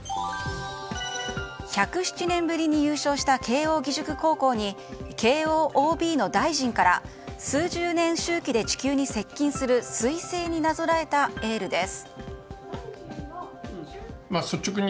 １０７年ぶりに優勝した慶應義塾高校に慶應ＯＢの大臣から数十年周期で地球に接近する彗星になぞらえたエールです。